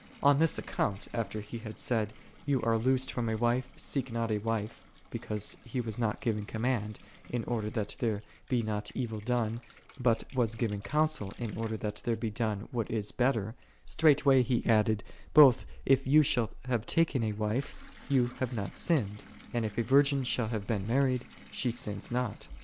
On Ihis account, after he had said, "Thou art loosed from a wife, seek nol a wife; " because he was nol giv ing command, in order that there be not evil done, but was giving counsel, in order that there be done what is betler: straightway he added, " Both, if thou shall have taken a wife, thou hast not sinned; and, if a virgin shall have been married, she sinneth not.